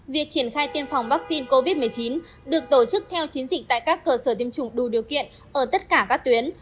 việc triển khai tiêm phòng vaccine covid một mươi chín được tổ chức theo chiến dịch tại các cơ sở tiêm chủng đủ điều kiện ở tất cả các tuyến